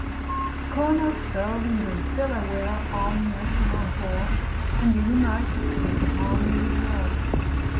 Conners served in the Delaware Army National Guard and the United States Army Reserve.